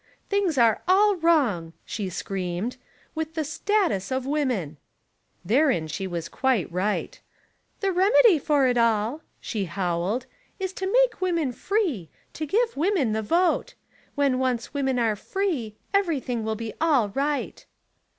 "Things are all wrong," she screamed, "with the status of women." Therein she was quite right. "The remedy for it all," she howled, "is to make women 'free,' to give women the vote. When once women are 'free' everything will be all right."